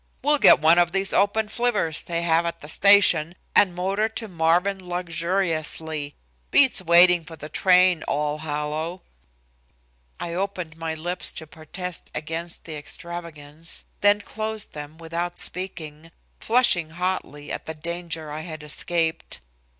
We'll get one of these open flivvers they have at the station and motor to Marvin luxuriously. Beats waiting for the train all hollow." I opened my lips to protest against the extravagance, then closed them without speaking, flushing hotly at the danger I had escaped.